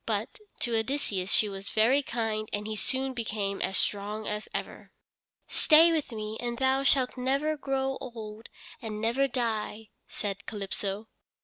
But, to Odysseus she was very kind and he soon became as strong as ever. "Stay with me, and thou shalt never grow old and never die," said Calypso.